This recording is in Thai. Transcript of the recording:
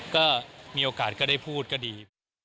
ก็มีโอกาสก็ได้พูดก็ดี